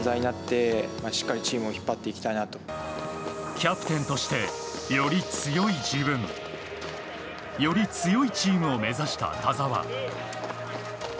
キャプテンとしてより強い自分より強いチームを目指した田澤。